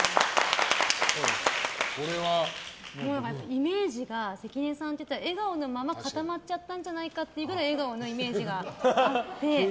イメージが関根さんといえば笑顔のまま固まっちゃったんじゃないかってくらい笑顔なイメージがあって。